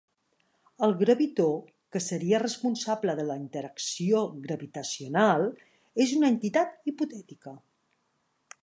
El gravitó, que seria responsable de la interacció gravitacional, és una entitat hipotètica.